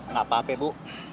gak apa apa ibu